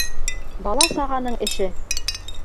Бала-сағаның эше.